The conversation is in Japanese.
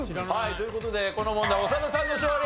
という事でこの問題長田さんの勝利！